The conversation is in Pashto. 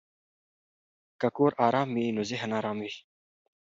که کور آرام وي نو ذهن آرام وي.